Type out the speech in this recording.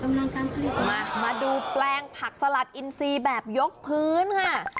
มามาดูแปลงผักสลัดอินทรีย์แบบยกพื้นค่ะ